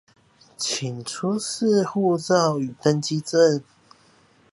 請出示護照與登機證